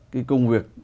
cái công việc